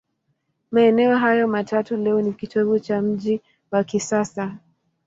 Maeneo hayo matatu leo ni kitovu cha mji wa kisasa.